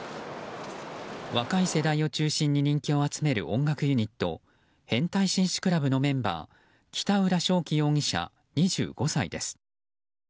若い世代を中心に人気を集める音楽ユニット変態紳士クラブのメンバー北浦翔暉容疑者、２５歳です。